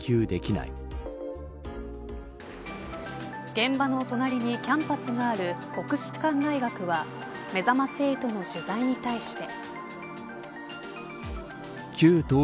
現場の隣にキャンパスがある国士舘大学はめざまし８の取材に対して。